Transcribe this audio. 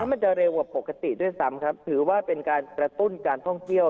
มันจะเร็วกว่าปกติด้วยซ้ำครับถือว่าเป็นการกระตุ้นการท่องเที่ยว